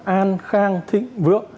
an khang thịnh vượng